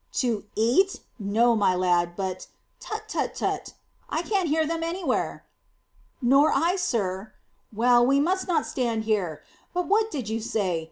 "To eat? No, my lad. But tut tut tut! I can't hear them anywhere." "Nor I, sir." "Well, we must not stand here. But what did you say?